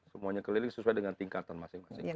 semuanya keliling sesuai dengan tingkatan masing masing